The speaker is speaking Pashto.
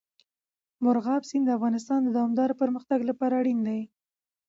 مورغاب سیند د افغانستان د دوامداره پرمختګ لپاره اړین دی.